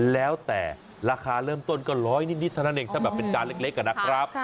แล้วแต่ราคาเริ่มต้นก็ร้อยนิดเท่านั้นเองถ้าแบบเป็นจานเล็กนะครับ